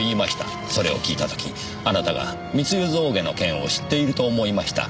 それを聞いた時あなたが密輸象牙の件を知っていると思いました。